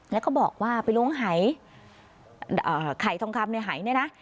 แล้วก็บอกว่าไปโรงไหยไข่ทองคำในไหยได้นะ